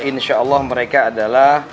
insyaallah mereka adalah